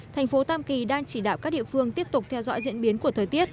thành phố tam kỳ đang chỉ đạo các địa phương tiếp tục theo dõi diễn biến của thời tiết